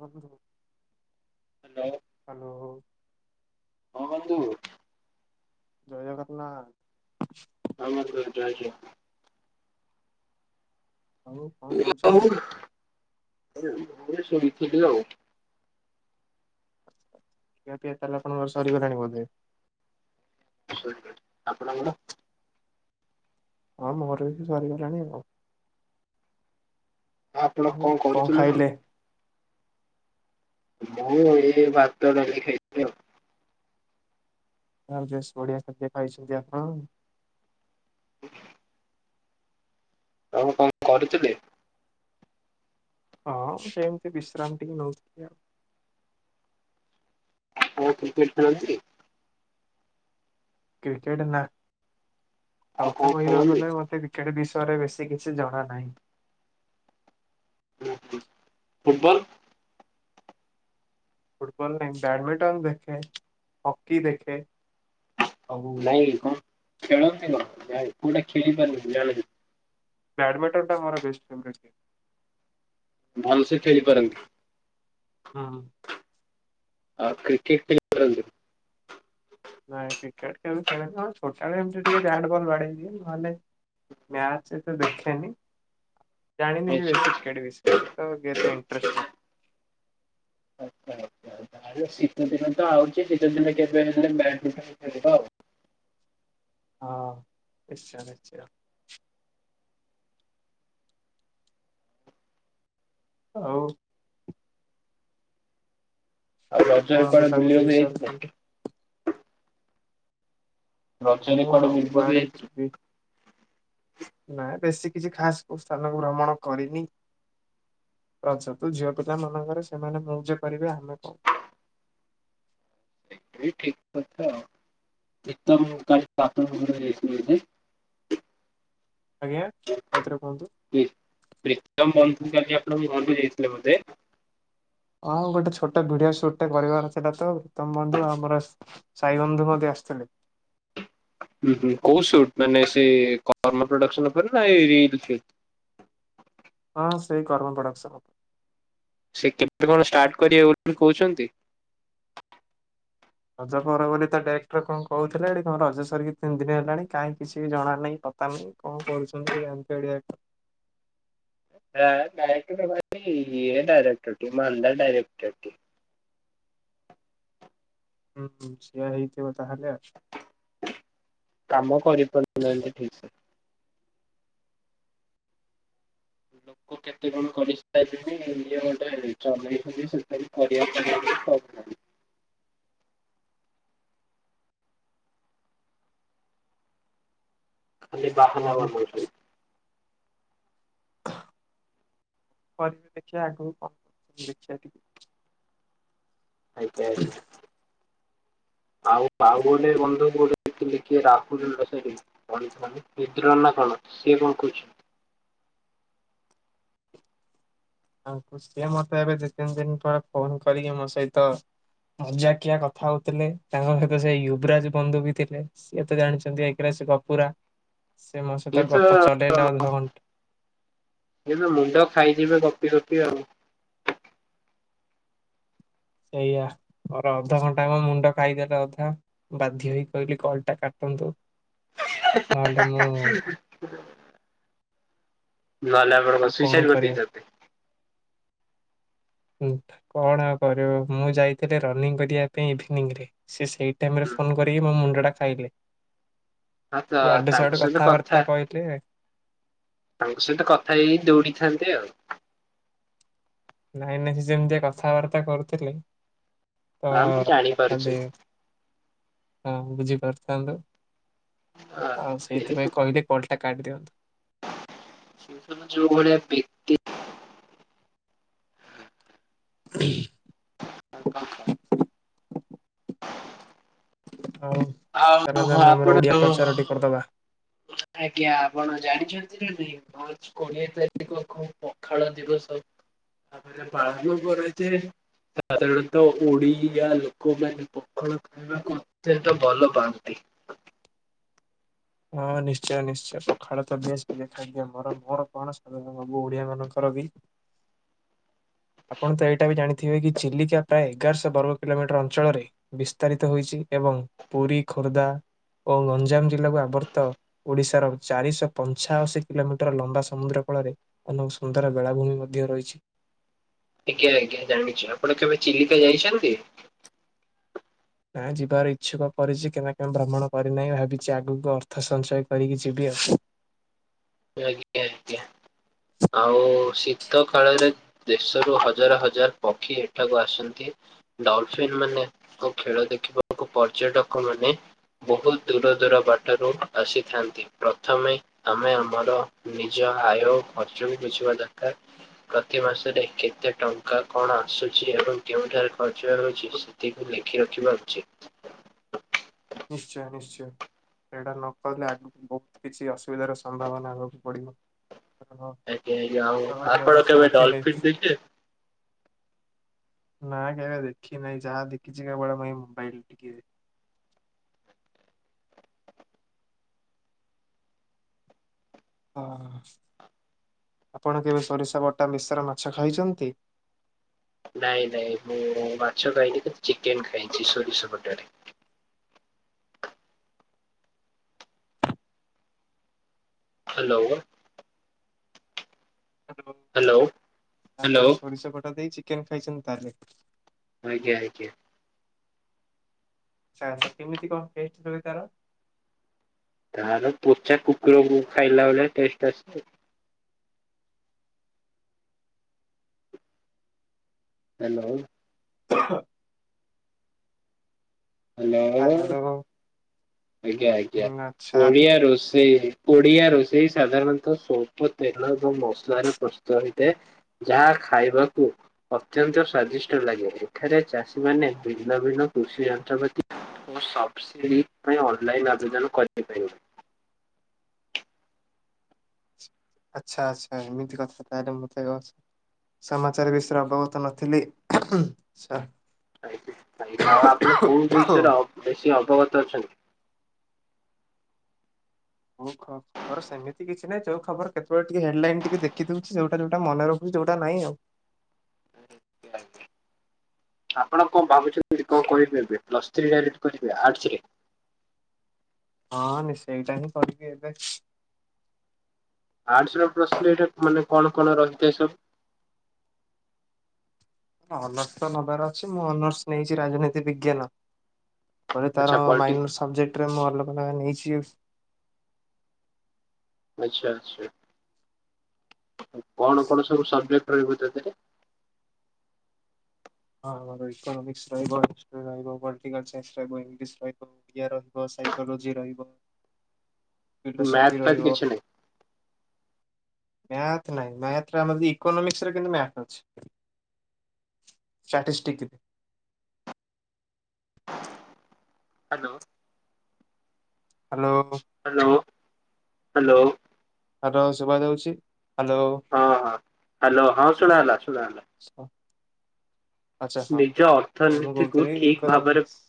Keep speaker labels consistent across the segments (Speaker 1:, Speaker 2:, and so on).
Speaker 1: ବନ୍ଧୁ
Speaker 2: hello
Speaker 1: hello.
Speaker 2: ହଁ ବନ୍ଧୁ
Speaker 1: ଜୟ ଜଗନ୍ନା
Speaker 2: ହଁ ବନ୍ଧୁ ଜୟ ଜଗନ୍ନାଥ।
Speaker 1: ଆଉ କଣ କରୁଛନ୍ତି?
Speaker 2: [unintelligible] ଶୋଇଥିଲି ଆଉ।
Speaker 1: ଖିଆପିଆ ତାହାଲେ ଆପଣଙ୍କର ସରିଗଲାଣି ବୋଧେ?
Speaker 2: ସରିଗଲ ଆପଣଙ୍କର?
Speaker 1: ହଁ ମୋର ବି ସେ ସରିଗଲାଣି ଆଉ।
Speaker 2: ଆପଣ
Speaker 1: ଆହୁ
Speaker 2: କଣ
Speaker 1: କଁ
Speaker 2: କରୁଥିଲେ କଣ?
Speaker 1: ଖାଇଲେ?
Speaker 2: ମୁଁ ଏଇ ଭାତ, ଡ଼ାଲି ଖାଇଥିଲି ଆଉ।
Speaker 1: ଆଉ ଯେଶ ବଢ଼ିଆ ଖାଦ୍ୟ ଖାଇଛନ୍ତି ଆପଣ ଆଉ।
Speaker 2: ହୁ ଆଣ କଣ କରୁଥିଲେ?
Speaker 1: ହଁ ସେମତି ବିଶ୍ରାମ ଟିକେ ନଉଥିଲି ଆଉ।
Speaker 2: ପୋ କ୍ରିକେଟ୍ ଖେଳନି କି?
Speaker 1: କ୍ରିକେଟ୍ ନା
Speaker 2: ଆଉ କଣ
Speaker 1: ସଥା କହିବାକୁ
Speaker 2: ଖେଳନ୍ତି?
Speaker 1: ଗଲେ ମତେ କ୍ରି କ୍ରିକେଟ୍ ବିଷୟରେ ବେଶୀ କିଛି ଜଣା ନାହିଁ।
Speaker 2: ହ ହ ଫୁଟବଲ?
Speaker 1: ଫୁଟବଲ ନାଇଁ ବ୍ୟାଡ଼ମିଟନ୍ ଦେଖେ ହକି ଦେଖେ। ଆଉ
Speaker 2: ନାଇଁ କଣ ଖେଳନ୍ତି କଣ ଯାଇ କୋଉଟା ଖେଳି ପାରନ୍ତି ଜାଣିନ୍ତି।
Speaker 1: ବ୍ୟାଡ଼ମିଣ୍ଟନ୍ ଟା ମର ବେଷ୍ଟ ଫେବରେଟ୍ ଗେମ୍।
Speaker 2: ଭଲସେ ଖେଳି ପାରନ୍ତି?
Speaker 1: ହଁ।
Speaker 2: ଆଉ କ୍ରିକେଟ୍ ଖେଳି ପାରନ୍ତିନି?
Speaker 1: ନାଇଁ କ୍ରିକେଟ୍ ଖେଳି ପାରେନି ହଁ ଛୋଟାବେଳେ ଏମତି ଟିକେ ବ୍ୟାଟ ବଲ ବାଡ଼େଇ ଦିଏ ନହେଲେ ମ୍ୟାଚ ହେତେ ଦେଖେନି। ଜାଣିନି ବି
Speaker 2: ଆଚ୍ଛା
Speaker 1: ବେସିି କ୍ରିକେଟ ବିଷୟରେ ତ କେତେ ଇଣ୍ଟରେଷ୍ଟ ନାଇଁ।
Speaker 2: ଆଚ୍ଛା। ଆଚ୍ଛା। ତାହେଲେ ଶୀତ ଦିନ ତ ଆଉଚି ଶୀତ ଦିନରେ କେବେ ହେଲେ ବ୍ୟାଡ଼ମିଟନ ଖେଳିବା ଆଉ।
Speaker 1: ହଁ ନିଶ୍ଚୟ ନିଶ୍ଚୟ। ଆଉ
Speaker 2: ଆଉ
Speaker 1: କଣ
Speaker 2: ରଜରେ କୁଆଡ଼େ
Speaker 1: ବୁଲାବୁଲି
Speaker 2: ବୁଲିବାକୁ
Speaker 1: ବିଷୟରେ
Speaker 2: ଯାଇଥିଲ?
Speaker 1: କୁହନ୍ତୁ?
Speaker 2: ରଜରେ
Speaker 1: ମୁଁ
Speaker 2: କୁଆଡେ
Speaker 1: ଆଉ
Speaker 2: ବୁଲିବାକୁ
Speaker 1: କୁଆଡ଼େ
Speaker 2: ଯାଇଥିଲୁ?
Speaker 1: ଯିବି? ନାଇଁ ବେଶୀ କିଛି ଖାସ କୋଉ ସ୍ଥାନକୁ ଭ୍ରମଣ କରିନି। ରାଜ ତ ଝିଅ ପିିଲା ମାନଙ୍କରେ ସେମାନେ ମଉଜ କରିବେ ଆମେ କଣ?
Speaker 2: ସେଇଟା ବି ଠିକ୍ କଥା ଆଉ। ଏକଦମ କାଲି [unintelligible]
Speaker 1: ଆଜ୍ଞା ଆଉ ଥରେ କୁହନ୍ତୁ?
Speaker 2: ପ୍ରିତମ ବନ୍ଧୁ କାଲି ଆପଣଙ୍କ ଘରକୁ ଯାଇଥିଲେ ବୋଧେ?
Speaker 1: ହଁ ଗୋଟେ ଛୋଟ ଭିଡିଓ ସୁଟ ଟା କରିବାର ଥିଲା ତ ଉତ୍ତମ ବନ୍ଧୁ ଆମର ସାଇବନ୍ଧୁ ମଧ୍ୟ ଆସିଥିଲେ।
Speaker 2: ହୁଁ, ହୁଁ କୋଉ ସୁଟ ମାନେ ସେ କର୍ମ ପ୍ରଡକ୍ସନ ଉପରେ ନା [unintelligible]
Speaker 1: ହଁ ସେଇ କର୍ମ ପ୍ରଡକ୍ସନ।
Speaker 2: ସେ କେତେ କଣ ଷ୍ଟାର୍ଟ କରିବେ ବୋଲି କହୁଛନ୍ତି?
Speaker 1: ରଜ ପରେ ବୋଲି ତ ଡେଟ୍ ରେ କଣ କହୁଥିଲେ? କଣ ରଜ ସରି କି ତିନି ଦିନ ହେଲାଣି କାହିଁ କିଛି ଜଣା ନାହିଁ। ମାନେ କଣ କରୁଛନ୍ତି ସେ ଗାନ୍ଧ [unintelligible]
Speaker 2: ଡାଇକ୍ଟର ଇ [unintelligible] ଡାଇରେକ୍ଟର ମାଲନ୍ଦାର ଡାଇରେକ୍ଟର ଟିଏ।
Speaker 1: ହୁଁ ସେଇଆ ହେଇଥବ ତା ହେଲେ। [unintelligible]
Speaker 2: କାମ କରିପାରୁନାହାନ୍ତି ଠିକ ସେ। ଲୋକ କେତେ କଣ କରିସାରିବ [unintelligible] ଚଲେଇଛନ୍ତି ସେ କରିବାକୁ ଖାଲି ବାହାନା
Speaker 1: ଆଉ ହଉ
Speaker 2: ବନଉଛୁ [unintelligible]
Speaker 1: କରିବି ଦେଖିବା ଆଗକୁ କଣ ଦେଖିବା ଟିକେ।
Speaker 2: ଆଜ୍ଞା [unintelligible] ଆଉ ଆଉ ଗୋଟେ ବନ୍ଧୁ ଗୋ [unintelligible] କି କଣ [unintelligible] ନା କଣ ସିଏ କଣ କହୁଛି?
Speaker 1: ତାଙ୍କୁ ସିଏ ମତେ ଏବେ ଦି ତିନି ଦିନ ତଳେ ଫୋନ କରିକି ମୋ ସହିତ ମଜାକିଆ କଥା ହଉଥିଲେ। ତାଙ୍କ ସହିତ ସେ ୟୁବରାଜ ବନ୍ଧୁ ବି ଥିଲେ। ସିଏ ତ ଜାଣିଛନ୍ତି ଏକରେ ସେ ଗପୁରା, ସେ ମୋ
Speaker 2: ଇଏ
Speaker 1: ସହିତ
Speaker 2: ତ
Speaker 1: ଗପ ଚଲେଇଲେ ଅଧଘଣ୍ଟା।
Speaker 2: ଏବେ ମୁଣ୍ଡ ଖାଇଯିବେ ଗପି ଗପି ଆଉ।
Speaker 1: ସେଇଆ ମୋର ଅଧଘଣ୍ଟା ହେବ ମୁଣ୍ଡ ଖାଇଦେଲେ ଅଧା। ବାଧ୍ୟ ହୋଇ କହିଲି କଲଟା କାଟନ୍ତୁ।
Speaker 2: [inaudible]
Speaker 1: ନହେଲେ ମୁଁ
Speaker 2: ଭଲ। କଣ ବା
Speaker 1: ଆଉ
Speaker 2: ସୁଇସାଇଡ୍
Speaker 1: କଣ କରିବା
Speaker 2: କରିଦେଇଛନ୍ତି?
Speaker 1: ହୁଁ, କଣ ଆଉ କରିବ ମୁଁ ଯାଇଥିଲି ରନିଂ କରିବା ପାଇଁ ଇଭିନିଂରେ, ସିଏ ସେଇଟି ଟାଇମରେ ଫୋନ କରିକି ମୋ ମୁଣ୍ଡ ଟା ଖାଇଲେ।
Speaker 2: ହଁ ତ
Speaker 1: ଏ ଆଡୁ ସେ
Speaker 2: ତାଙ୍କ
Speaker 1: ଆଡୁ
Speaker 2: ସହିତ କଥା
Speaker 1: କଥାବାର୍ତ୍ତା କହିଲେ।
Speaker 2: ତାଙ୍କ ସହିତ କଥା ହେଇ ଦୌଡିଥାନ୍ତେ ଆଉ।
Speaker 1: ନାଇଁ ନାଇଁ ସେ ଯେମିତିଆ କଥାବାର୍ତ୍ତା କରୁଥିଲେ
Speaker 2: ହଁ ମୁଁ
Speaker 1: [unintelligible]
Speaker 2: ଜାଣିପାରୁଛି
Speaker 1: କରିଥାନ୍ତି ହଁ ବୁଝିପାରିଥାନ୍ତୁ ଆଉ ସେଇଥିପାଇଁ କହିଲି କଲଟା କଟିଦିଅନ୍ତୁ।
Speaker 2: ସିଏ ଯୋଉ ଭଳିଆ ବ୍ୟକ୍ତି କଣ କହ?
Speaker 1: ହଉ
Speaker 2: ଆଉ
Speaker 1: ଚାଲ [unintelligible] ଆମେ ଆମର
Speaker 2: ଆପଣ
Speaker 1: ଓଡ଼ିଆ ପ୍ରଚାର ଟିକେ କରିଦବା?
Speaker 2: ଆଜ୍ଞା, ଆପଣ ଜାଣିଛନ୍ତି ନା ନାଇଁ? ମାର୍ଚ୍ଚ କୋଡ଼ିଏ ତାରିଖକୁ ପଖାଳ ଦିବସ ଭାବରେ ପାଳନ କରାଯାଏ। ସାଧାରଣତଃ ଓଡ଼ିଆ ଲୋକମାନେ ପଖାଳ ଖାଇବାକୁ ଏତେ ଏତେ ଭଲ ପାଆନ୍ତି।
Speaker 1: ହଁ ନିଶ୍ଚୟ, ନିଶ୍ଚୟ, ତ ବେଶ୍ ପ୍ରିୟ ଖାଦ୍ୟ। ମୋର, ମୋର କଣ ସାଧାରଣତଃ ସବୁ ଓଡ଼ିଆ ମାନଙ୍କର ବି ଆପଣ ତ ଏଇଟା ବି ଜାଣିଥିବେ କି ଚିଲିକା ପ୍ରାୟ ଏଗାରଶହ ବର୍ଗ କିଲୋମିଟର ଅଞ୍ଚଳରେ ବିସ୍ତାରିତ ହୋଇଛି। ଏବଂ ପୁରୀ ଖୋର୍ଦ୍ଧା ଓ ଗଞ୍ଜାମଜିଲ୍ଲାକୁ ଆବ ଆବର୍ତ୍ତ ଓଡ଼ିଶାର ଚାରିଶହ ପଞ୍ଚାଅଶୀ କିଲୋମିଟର ଲମ୍ବା ସମୁଦ୍ର କୂଳରେ ଅନେକ ସୁନ୍ଦର ବେଳାଭୂମି ମଧ୍ୟ ରହିଛି।
Speaker 2: ଆଜ୍ଞା ଆଜ୍ଞା ଜାଣିଛି ଆପଣ କେବେ ଚିଲିକା ଯାଇଛନ୍ତି।
Speaker 1: ନାଁ ଯିବାର ଇଚ୍ଛୁକ କରିଛି କେନା କେବେ ଭ୍ରମଣ କରିନାହିଁ ମୁଁ ଭାବିଛି ଆଗକୁ ଅର୍ଥ ସଞ୍ଚୟ କରିକି ଯିବି ଆଉ।
Speaker 2: ଆଜ୍ଞା ଆଜ୍ଞା ଆଉ ଶୀତ କାଳରେ ଦେଶରୁ ହଜାର ହଜାର ପକ୍ଷୀ ଏଠାକୁ ଆସନ୍ତି। ଡଲଫିନ୍ ମାନେ ଖେଳ ଦେଖିବାକୁ ପର୍ଯ୍ୟଟକ ମାନେ ବହୁତ ଦୂର ଦୂର ବାଟରୁ ଆସିଥାନ୍ତି। ପ୍ରଥମେ ଆମେ ଆମର ନିଜ ଆୟ ଖର୍ଚ୍ଚକୁ ବୁଝିବା ଦରକାର। ପ୍ରତି ମାସରେ କେତେ ଟଙ୍କା କଣ ଆସୁଛି ଏବଂ କେଉଁଠାରେ ଖର୍ଚ୍ଚ ହେଉଛି ତାକୁ ଲେଖି ରଖିବା ଉଚିତ।
Speaker 1: ନିଶ୍ଚୟ ନିଶ୍ଚୟ ସେଟା ନ କରଲେଦହୁ କିଛି ଅସୁବିଧାର ସମ୍ଭାବନା ହେବାକୁ ପଡିବ
Speaker 2: ଆଜ୍ଞା ଆଜ୍ଞା ଆଉ ଆପଣ କେବେ
Speaker 1: ରଖିଲେ
Speaker 2: ଡଲଫିନ୍ ଦେ
Speaker 1: ନା କ ଦେଖି ନାହିଁ ଯାହା ଦେଖିଛି କ ବ ଭ ମୋବାଇଲ ଟିକେ ଓ ଆପଣ କେବେ ସୋରିଷା ବଟା ମିଶ୍ର ମାଛ ଖାଇଛନ୍ତି
Speaker 2: ନାଇଁ ନାଇଁ ମୁଁ ମାଛ ଖାଇଲି ଚିକେନ ଖାଇଛି ସୋରିଷ ପଟରେ ହ୍ୟାଲୋ
Speaker 1: ହ୍ୟାଲୋ ଆପଣ
Speaker 2: ହ୍ୟାଲୋ
Speaker 1: ସୋରିଷ ପଟା ଦେଇ ଚିକେନ ଖାଇଛନ୍ତି ତାହେଲେ
Speaker 2: ଆଜ୍ଞା ଆଜ୍ଞା
Speaker 1: ଆ ଆଛା କେମିତି କଣ ଟେଷ୍ଟ ରହିବ ତାର
Speaker 2: ତାର ପୋଚା କୁକୁରକୁ ଖାଇଲା ବଳିଆ ଟେଷ୍ଟ ଆସଛି ହ୍ୟାଲୋ
Speaker 1: ହ ଆ,
Speaker 2: ହ୍ୟାଲୋ
Speaker 1: ହୁଁ
Speaker 2: ଆଜ୍ଞା ଆଜ୍ଞା
Speaker 1: ଆଚ୍ଛା
Speaker 2: ପଡିଆ ରୋଷେଇ କଡିଆ ରୋଷେଇ ସାଧାରଣତଃ ସଵଳ୍ପ ତେଲ ଏବଂ ମସଲାରେ ପ୍ରସ୍ତୁତ ହେଇଥାଏ ଯାହା ଖାଇବାକୁ ଅତ୍ୟନ୍ତ ସ୍ଵାଦିଷ୍ଟ ଲାଗେ ଏଠାରେ ଚାଷୀ ମାନେ ଭିନ୍ନ ଭିନ୍ନ କୃଷି ଯନ୍ତ୍ରପାତି ସବସିଡି ଅନଲାଇନ ଆବେଦନ କରିବାପାରିବ
Speaker 1: ଆଚ୍ଛା ଆଚ୍ଛା ଏମିତି କଥା ତାହେଲେ ମୁଁତ ଅଛି ସମାଚାର ବିଷୟରେ ଅବଗତ ନଥିଲି
Speaker 2: ାଇାଇା ଆଉ ଆପଣ କୋଉ ବିଷୟରେ ଅ ବେଶୀ ଅବଗତ ଅଛନ୍ତି [unintelligible]
Speaker 1: ଓ [unintelligible] ମୋର ସେମିତି କିଛି ନାହିଁଚଉଁଥବର କେତେବେଳେ ଟିକେ ହେଡ଼ଲାଇନ ଟିକ ଦେଖିଦଉଚି ଯେଉଟା ଯଉଟା ମନେରଖୁଛି ଯେଉଁଟାନାହିଁ ଆଉ
Speaker 2: ଆଜା ଆପଣ କଣ ଭାବୁଛନ୍ତିଠି କଣ କହିପାରିବେ ପ୍ଲସ୍ ତ୍ରୀ ଡାଇଟ କରିିବେ ଆଡରେ
Speaker 1: ହଁ ନି ସେଇଟା ହିଁ କରିବି ଏବେ
Speaker 2: ଆର୍ଟସ ର ପ୍ରଶ୍ନ ଏଇଟା ମାନେ କଣ କଣ ରହିଥାଏ ସବୁ
Speaker 1: ଅନର୍ସ ତ ନବାର ଅଛି ମୁଁ ଅନର୍ସ ନେଇଛି ରାଜନୀତି ବିଜ୍ଞାନ ପରେ
Speaker 2: ଆଚ୍ଛା
Speaker 1: ତାର
Speaker 2: ପଲଟି
Speaker 1: ମାଇନର ସବଜେକ୍ଟରେ ମୁଁ ଅଲଗା ନେଇଛି
Speaker 2: ଆଚ୍ଛା ଆଚଛା କଣ କଣ ସବୁ ସବଜେକ୍ଟ ରହିବ ତାଥିରେ
Speaker 1: ହଁ ଆମର ଇୋନୋମିକ୍ସ ରିବ ହିଷ୍ଟ ରହିବ ପଲିଟିକଲ ସନ୍ସ ରହିବ ଇଂଲିଶ ରହିବ ୟାର ଫାଷ୍ଟ୍ ସାଇକୋଲୋଜି ରହିବ,
Speaker 2: ମ୍ୟାଥ୍
Speaker 1: ଫିଲୋସଫି
Speaker 2: ଫ୍ୟାଥ୍
Speaker 1: ରହିବ।
Speaker 2: କିଛି ନାହିଁ।
Speaker 1: ମ୍ୟାଥ୍ ନାଇଁ ମ୍ୟାଥରେ ଆମ ଯଦି ଇକୋନୋମିକ୍ସ୍ରେ କିନ୍ତୁ ମ୍ୟାଥ ଅଛି। Statistic
Speaker 2: hello.
Speaker 1: Hello.
Speaker 2: Hello. Hello.
Speaker 1: Hello. ଶୁଭା ଯାଉଛି। ହ୍ୟାଲୋ।
Speaker 2: ହଁ ହଁ ହ୍ୟାଲୋ। ହଁ ଶୁଣା ଗଲା। ଶୁଣା ଗଲା।
Speaker 1: ଆଚ୍ଛା। ହଁ,
Speaker 2: ନିଜ
Speaker 1: ମୁଁ
Speaker 2: ଅର୍ଥନୀତିକୁ
Speaker 1: କହୁଥିଲି
Speaker 2: ଠିକ୍ ଭାବରେ
Speaker 1: ଇକନୋମିକ୍ସ୍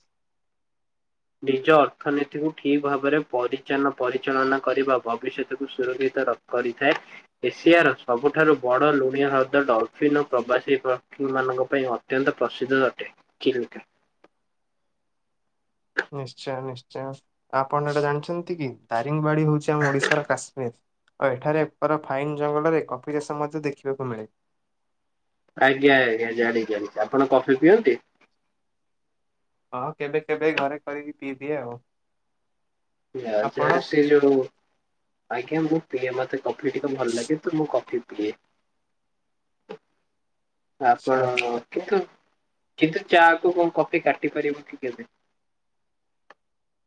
Speaker 2: ନିଜ ଅର୍ଥନୀତିକୁ ଠିକ୍ ଭାବରେ ପରିଚାଳନ ପରିଚାଳନା କରିବା, ଭବିଷ୍ୟତକୁ ସୁରକ୍ଷିତ ର କରିଥାଏ। ଏସିଆର ସବୁଠାରୁ ବଡ଼ ଲୁଣିଆ ହ୍ରଦ ଡଲଫିିନ୍ ଓ ପ୍ରବାସୀମାନଙ୍କ ପାଇଁ ଅ ଅତ୍ୟନ୍ତ ପ୍ରସିଦ୍ଧ ଅଟେ।
Speaker 1: ନିଶ୍ଚୟ। ନିଶ୍ଚୟ। ଆପଣ ଏଇଟା ଜାଣିଛନ୍ତି କି ଦାରିଙ୍ଗିବାଡି ହଉଚି ଆମ ଓଡିଶାର କାଶ୍ମୀର। ଆଉ ଏଠାରେ ଏକର ଫାଇନ୍ ଜଙ୍ଗଲରେ କଫି ଚାଷ ମଧ୍ୟ ଦେଖିବାକୁ ମିଳେ।
Speaker 2: ଆଜ୍ଞା ଆଜ୍ଞା। ଜାଣିଚି ଜାଣିଚି।
Speaker 1: ହଁ କେବେ କେବେ ଘରେ କରି କି ପିଇଦିଏ ଆଉ।
Speaker 2: ଜା
Speaker 1: ଆପଣ?
Speaker 2: ଜାଣେ ସେ ଯୋଉ। ଆଜ୍ଞା ମୁଁ ପିଏ। ମତେ କଫି ଟିକେ ଭଲ ଲାଗେ ତ, ମୁଁ କଫି ପିଏ।
Speaker 1: [inaudible] ଆଚ୍ଛା
Speaker 2: ଆପଣ
Speaker 1: ଆଚ୍ଛା
Speaker 2: କିନ୍ତୁ, କିନ୍ତୁ ଚା କୁ କଣ କଫି କାଟି ପାରିବ କି କେବେ?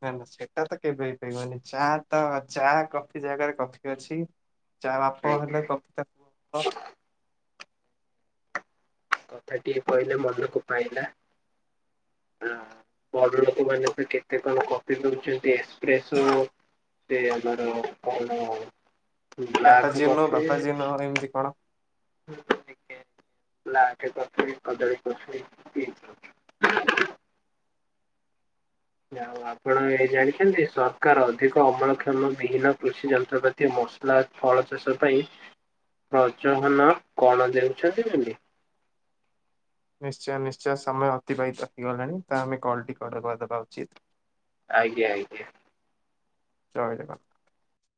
Speaker 1: ନା ନା ସେଟା ତ କେବେ ହେଇ ପାରବନି। ଚା, ତ ଚା କଫି ଜାଗାରେ କଫି ଅଛି। ଚା ବାପ
Speaker 2: ଆଜ୍ଞା
Speaker 1: ହେଲେ କଫି ତା ପୁଅ।
Speaker 2: କଥା ଟିକେ କହିଲେ ମନକୁ ପାଇଲା। ବଡ ଲୋକ ମାନେ ତ କେତେ କଣ କଫି ପିଉଚନ୍ତି ଏସ୍ପ୍ରେସୁ। ସେ ଆମର କଣ ବ୍ଲାକ୍
Speaker 1: ଚାପାଜିନୋ
Speaker 2: କଫି।
Speaker 1: ବାପାଜିନୋ ଏମିତି କଣ?
Speaker 2: ବ୍ଲାକ୍ କଫି, କଦଳି କଫି ପି। ଆଉ ଆପଣ ଏ ଜାଣିଛନ୍ତି, ସରକାର ଅଧିକ ଅମଳ କ୍ଷମ ବିହୀନ କୃଷି ଯନ୍ତ୍ରପାତି। ଏ ମସଲା ଫଳ ଚାଷ ପାଇଁ ପ୍ରଜହନ କଣ ଦେଉଛନ୍ତି।
Speaker 1: ନିଶ୍ଚୟ ନିଶ୍ଚୟ। ସମୟ ଅତିବାହିତ ହେଇଗଲାଣି ତ ଆମେ କଲ୍ଟି କଟ୍ କରିଦବା ଉଚିତ୍।
Speaker 2: ଆଜ୍ଞା ଆଜ୍ଞା।
Speaker 1: ଜୟ ଜଗ